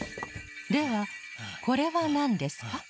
ではこれはなんですか？